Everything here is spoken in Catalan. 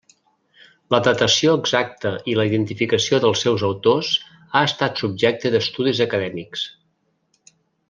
La datació exacta i la identificació dels seus autors ha estat subjecte d'estudis acadèmics.